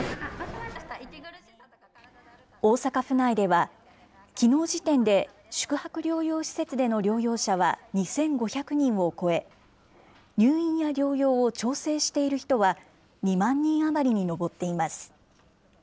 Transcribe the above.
大阪府内では、きのう時点で宿泊療養施設での療養者は２５００人を超え、入院や療養を調整している人は２万人余りに上っています。